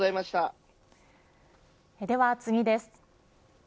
では次です。